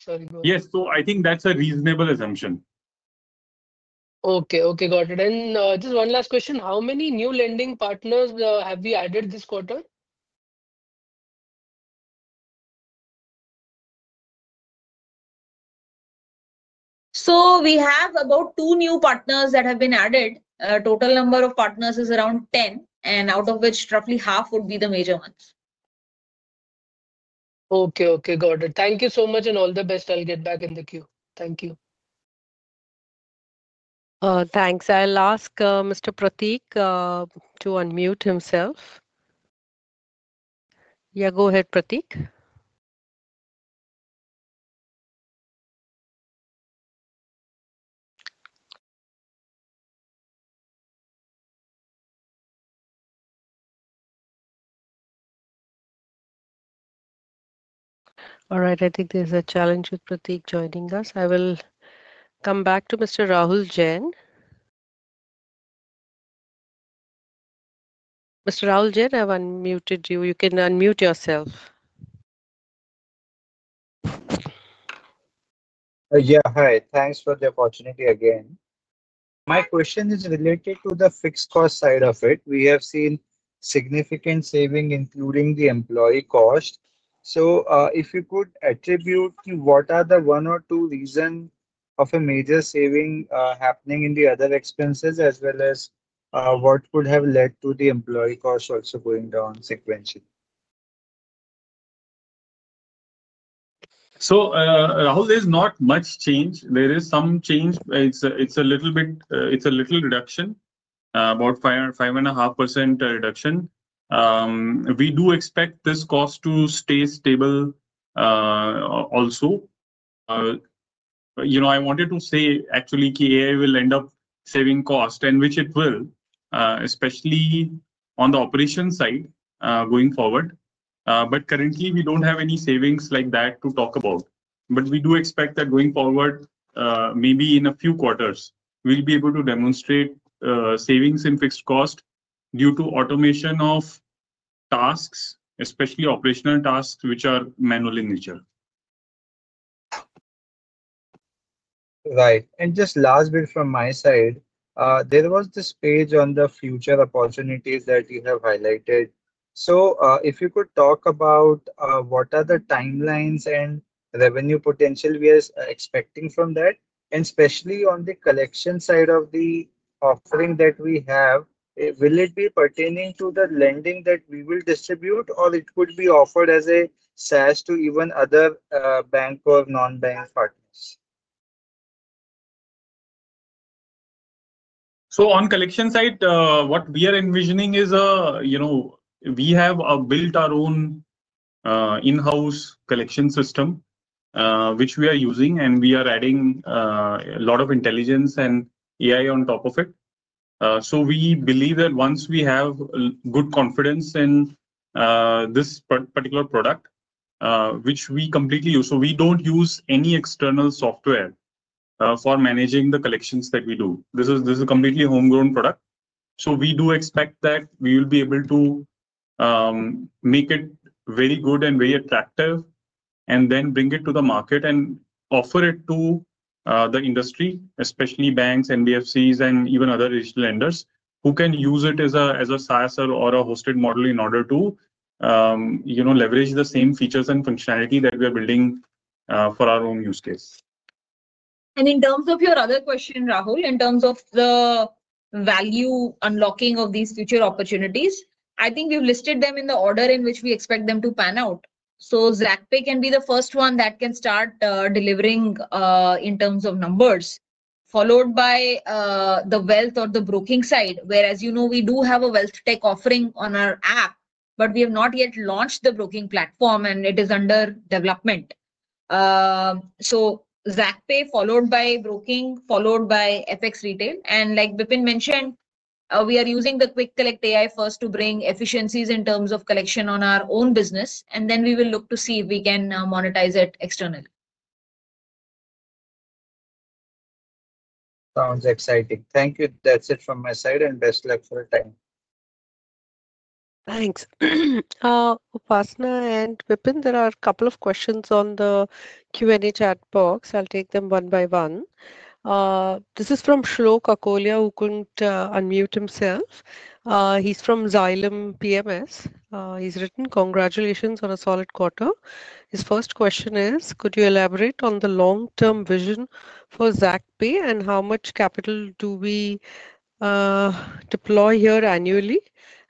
Sorry. Yes. I think that's a reasonable assumption. Okay, okay. Got it. And just one last question. How many new lending partners have we added this quarter? So we have about two new partners that have been added. Total number of partners is around 10, and out of which roughly half would be the major ones. Okay, okay. Got it. Thank you so much, and all the best. I'll get back in the queue. Thank you. Thanks. I'll ask Mr. Prateek to unmute himself. Yeah, go ahead, Prateek. All right. I think there's a challenge with Prateek joining us. I will come back to Mr. Rahul Jain. Mr. Rahul Jain, I've unmuted you. You can unmute yourself. Yeah, hi. Thanks for the opportunity again. My question is related to the fixed cost side of it. We have seen significant saving, including the employee cost. If you could attribute to what are the one or two reasons of a major saving happening in the other expenses, as well as what could have led to the employee cost also going down sequentially? Rahul, there's not much change. There is some change. It's a little reduction, about 5.5% reduction. We do expect this cost to stay stable. Also, I wanted to say, actually, AI will end up saving cost, and which it will, especially on the operation side going forward. Currently, we don't have any savings like that to talk about. We do expect that going forward. Maybe in a few quarters, we'll be able to demonstrate savings in fixed cost due to automation of tasks, especially operational tasks, which are manual in nature. Right. And just last bit from my side, there was this page on the future opportunities that you have highlighted. If you could talk about what are the timelines and revenue potential we are expecting from that, and especially on the collection side of the offering that we have, will it be pertaining to the lending that we will distribute, or it could be offered as a SaaS to even other bank or non-bank partners? On the collection side, what we are envisioning is we have built our own in-house collection system, which we are using, and we are adding a lot of intelligence and AI on top of it. We believe that once we have good confidence in this particular product, which we completely use, so we do not use any external software for managing the collections that we do. This is a completely homegrown product. We do expect that we will be able to make it very good and very attractive, and then bring it to the market and offer it to the industry, especially banks, NBFCs, and even other digital lenders, who can use it as a SaaS or a hosted model in order to leverage the same features and functionality that we are building for our own use case. In terms of your other question, Rahul, in terms of the value unlocking of these future opportunities, I think we've listed them in the order in which we expect them to pan out. Zaakpay can be the first one that can start delivering in terms of numbers, followed by the wealth or the broking side, whereas we do have a wealth tech offering on our app, but we have not yet launched the broking platform, and it is under development. So Zaakpay, followed by broking, followed by FX Retail. Like Bipin mentioned, we are using the QuickCollect AI first to bring efficiencies in terms of collection on our own business, and then we will look to see if we can monetize it externally. Sounds exciting. Thank you. That's it from my side, and best luck for the time. Thanks. Upasana and Bipin, there are a couple of questions on the Q&A chat box. I'll take them one by one. This is from Shlok Kakolia, who couldn't unmute himself. He's from Xylem PMS. He's written, "Congratulations on a solid quarter." His first question is, "Could you elaborate on the long-term vision for Zaakpay and how much capital do we deploy here annually?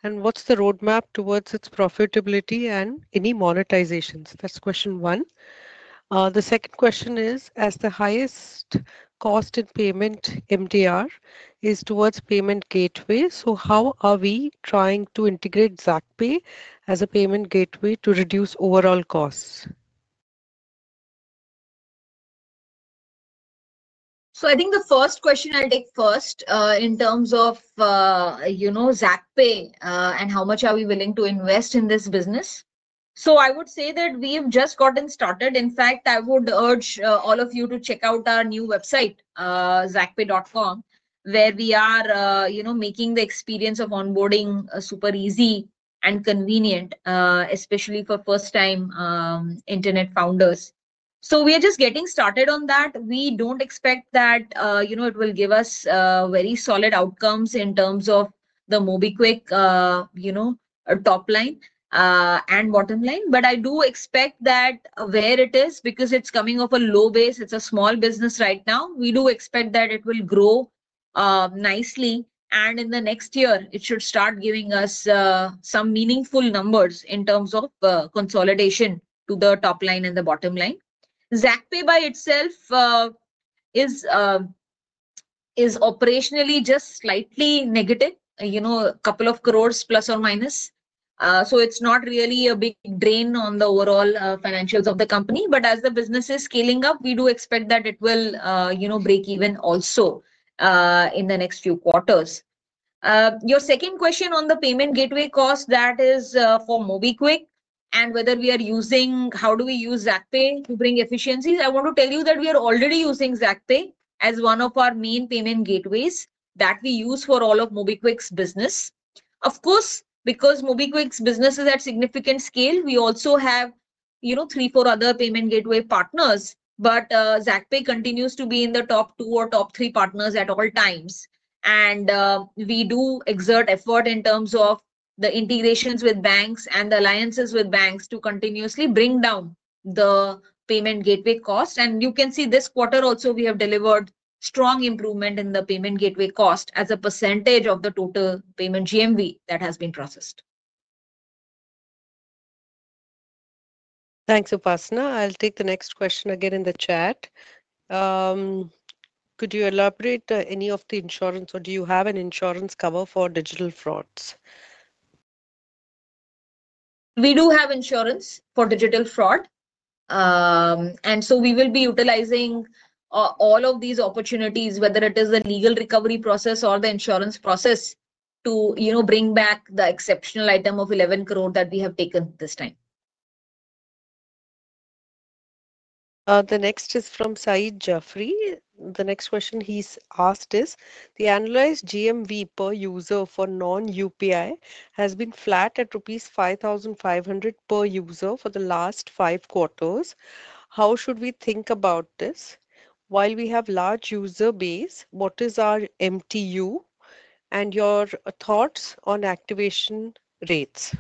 And what's the roadmap towards its profitability and any monetizations?" That's question one. The second question is, "As the highest cost in payment MDR is towards payment gateway, how are we trying to integrate Zaakpay as a payment gateway to reduce overall costs?" I think the first question I'll take first in terms of Zaakpay and how much are we willing to invest in this business. I would say that we have just gotten started. In fact, I would urge all of you to check out our new website, zaakpay.com, where we are making the experience of onboarding super easy and convenient, especially for first-time internet founders. We are just getting started on that. We don't expect that it will give us very solid outcomes in terms of the MobiKwik top line and bottom line. I do expect that where it is, because it's coming off a low base, it's a small business right now, we do expect that it will grow nicely. In the next year, it should start giving us some meaningful numbers in terms of consolidation to the top line and the bottom line. Zaakpay by itself is operationally just slightly negative, a couple of crores plus or minus. It's not really a big drain on the overall financials of the company. As the business is scaling up, we do expect that it will break even also in the next few quarters. Your second question on the payment gateway cost, that is for MobiKwik and whether we are using, how do we use Zaakpay to bring efficiencies? I want to tell you that we are already using Zaakpay as one of our main payment gateways that we use for all of MobiKwik's business. Of course, because MobiKwik's business is at significant scale, we also have three, four other payment gateway partners, but Zaakpay continues to be in the top two or top three partners at all times. We do exert effort in terms of the integrations with banks and the alliances with banks to continuously bring down the payment gateway cost. You can see this quarter also, we have delivered strong improvement in the payment gateway cost as a percentage of the total payment GMV that has been processed. Thanks, Upasana. I'll take the next question again in the chat. Could you elaborate any of the insurance, or do you have an insurance cover for digital frauds? We do have insurance for digital fraud. We will be utilizing. All of these opportunities, whether it is the legal recovery process or the insurance process, to bring back the exceptional item of 11 crore that we have taken this time. The next is from Saeed Jafri. The next question he's asked is, "The analyzed GMV per user for non-UPI has been flat at 5,500 rupees per user for the last five quarters. How should we think about this? While we have a large user base, what is our MTU and your thoughts on activation rates?"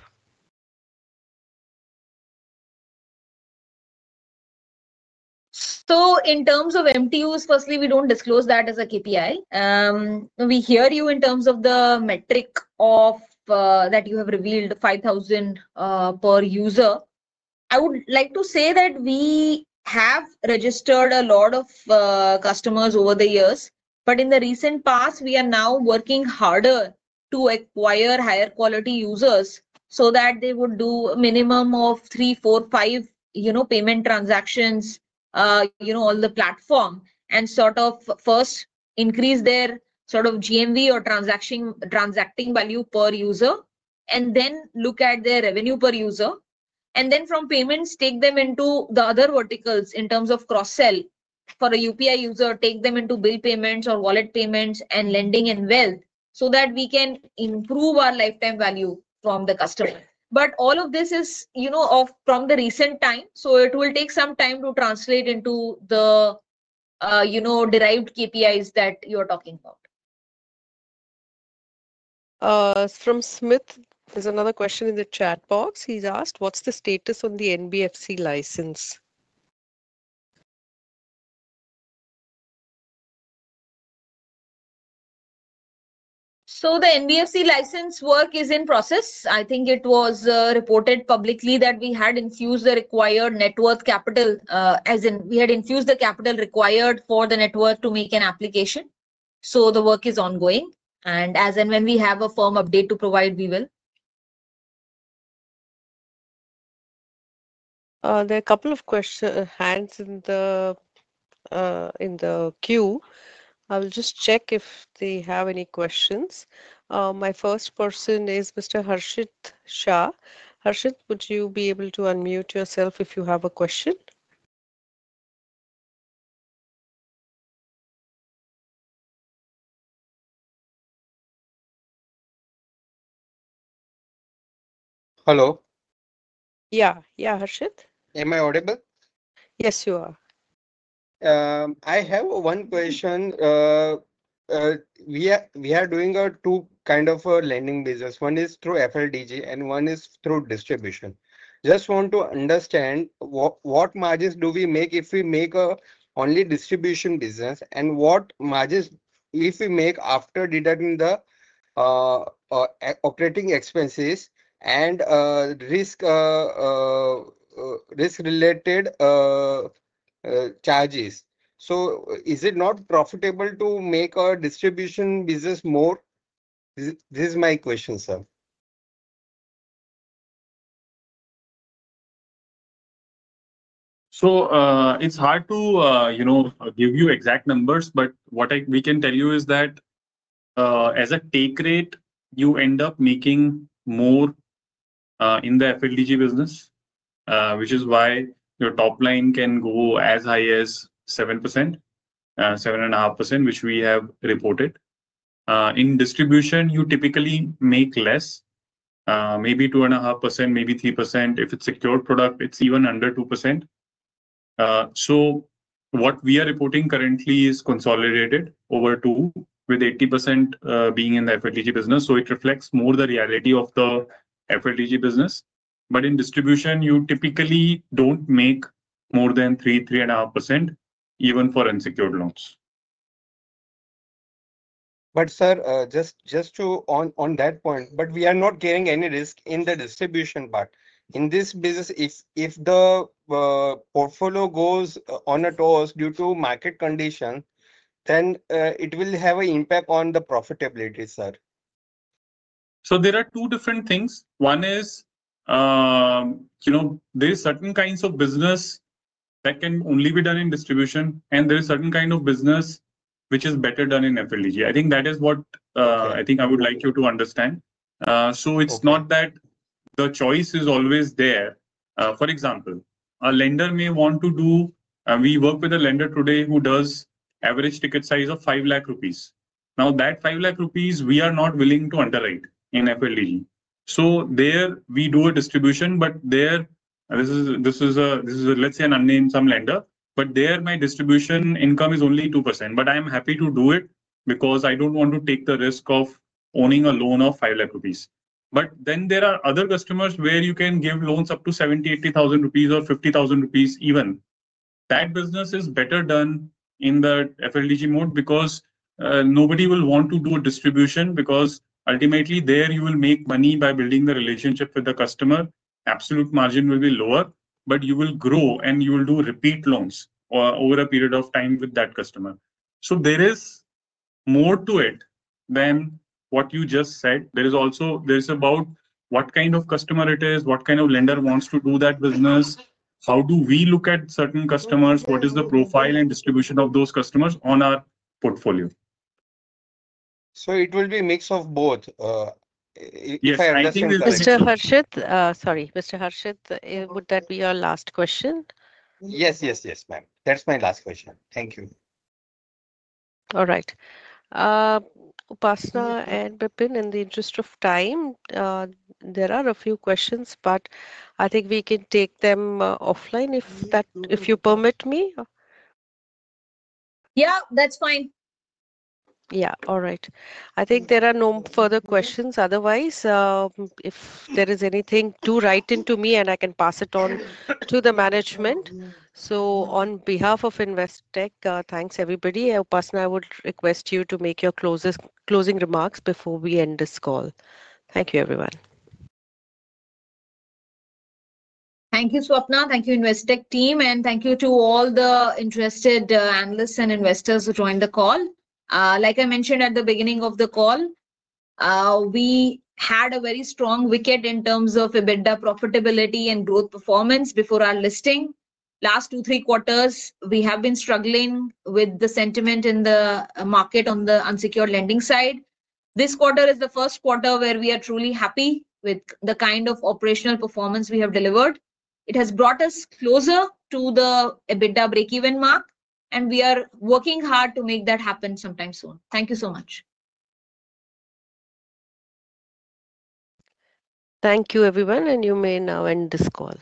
In terms of MTUs, firstly, we do not disclose that as a KPI. We hear you in terms of the metric that you have revealed, 5,000 per user. I would like to say that we have registered a lot of customers over the years. In the recent past, we are now working harder to acquire higher quality users so that they would do a minimum of three, four, five payment transactions. All the platform and sort of first increase their sort of GMV or transacting value per user, and then look at their revenue per user. From payments, take them into the other verticals in terms of cross-sell. For a UPI user, take them into bill payments or wallet payments and lending and wealth so that we can improve our lifetime value from the customer. All of this is from the recent time. It will take some time to translate into the derived KPIs that you are talking about. From Smith, there is another question in the chat box. He has asked, "What's the status on the NBFC license?" The NBFC license work is in process. I think it was reported publicly that we had infused the required net worth capital, as in we had infused the capital required for the net worth to make an application. The work is ongoing. As and when we have a firm update to provide, we will. There are a couple of hands in the queue. I will just check if they have any questions. My first person is Mr. Harshit Shah. Harshit, would you be able to unmute yourself if you have a question? Hello? Yeah, yeah, Harshit. Am I audible? Yes, you are. I have one question. We are doing two kinds of lending business. One is through FLDG, and one is through distribution. Just want to understand. What margins do we make if we make only distribution business, and what margins if we make after deducting the operating expenses and risk-related charges? Is it not profitable to make a distribution business more? This is my question, sir. It's hard to give you exact numbers, but what we can tell you is that as a take rate, you end up making more in the FLDG business, which is why your top line can go as high as 7%-7.5%, which we have reported. In distribution, you typically make less, maybe 2.5%, maybe 3%. If it's a secured product, it's even under 2%. What we are reporting currently is consolidated over two, with 80% being in the FLDG business, so it reflects more the reality of the FLDG business. In distribution, you typically don't make more than 3-3.5%, even for unsecured loans. Sir, just on that point, we are not carrying any risk in the distribution part. In this business, if the portfolio goes on a toast due to market condition, then it will have an impact on the profitability, sir. There are two different things. One is, there are certain kinds of business that can only be done in distribution, and there are certain kinds of business which is better done in FLDG. I think that is what I would like you to understand. It is not that the choice is always there. For example, a lender may want to do, we work with a lender today who does average ticket size of 5 lakhs of rupees. Now, that 5 lakhs of rupees we are not willing to underwrite in FLDG. There we do a distribution, but there, this is, let's say an unnamed lender, but there my distribution income is only 2%. I am happy to do it because I do not want to take the risk of owning a loan of 5 lakhs of rupees. Then there are other customers where you can give loans up to 70,000-80,000 rupees, or 50,000 rupees even. That business is better done in the FLDG mode because nobody will want to do a distribution because ultimately there you will make money by building the relationship with the customer. Absolute margin will be lower, but you will grow and you will do repeat loans over a period of time with that customer. There is more to it than what you just said. There is also about what kind of customer it is, what kind of lender wants to do that business, how do we look at certain customers, what is the profile and distribution of those customers on our portfolio. It will be a mix of both. If I understand correctly. Mr. Harshit, sorry, Mr. Harshit, would that be your last question? Yes, yes, yes, ma'am. That's my last question. Thank you. All right. Upasana and Bipin, in the interest of time. There are a few questions, but I think we can take them offline if you permit me. Yeah, that's fine. Yeah, all right. I think there are no further questions. Otherwise, if there is anything to write into me, I can pass it on to the management. So on behalf of Investech, thanks everybody. Upasana, I would request you to make your closing remarks before we end this call. Thank you, everyone. Thank you, Swapna. Thank you, Investech team, and thank you to all the interested analysts and investors who joined the call. Like I mentioned at the beginning of the call, we had a very strong wicket in terms of EBITDA profitability and growth performance before our listing. Last two, three quarters, we have been struggling with the sentiment in the market on the unsecured lending side. This quarter is the first quarter where we are truly happy with the kind of operational performance we have delivered. It has brought us closer to the EBITDA break-even mark, and we are working hard to make that happen sometime soon. Thank you so much. Thank you, everyone, and you may now end this call.